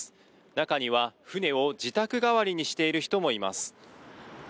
中には船を自宅代わりにしている人もいます。